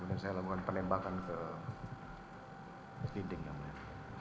kemudian saya lakukan penembakan ke dinding yang mulia